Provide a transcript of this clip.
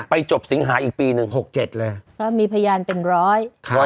จบสิงหาอีกปีหนึ่งหกเจ็ดเลยก็มีพยานเป็นร้อย